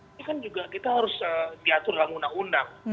ini kan juga kita harus diatur dalam undang undang